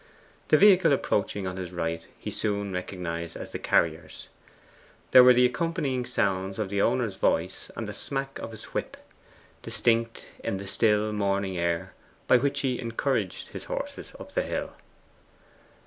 The vehicle approaching on his right he soon recognized as the carrier's. There were the accompanying sounds of the owner's voice and the smack of his whip, distinct in the still morning air, by which he encouraged his horses up the hill.